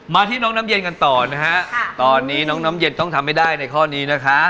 ที่น้องน้ำเย็นกันต่อนะฮะตอนนี้น้องน้ำเย็นต้องทำให้ได้ในข้อนี้นะคะ